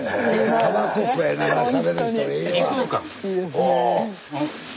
お。